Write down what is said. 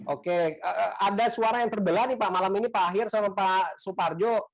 oke ada suara yang terbelah nih pak malam ini pak akhir sama pak suparjo